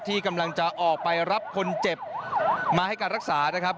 ที่กำลังจะออกไปรับคนเจ็บมาให้การรักษานะครับ